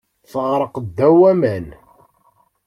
Teɣṛeq ddaw waman.